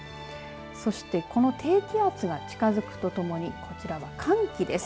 そして、この低気圧が近づくとともにこちらは寒気です。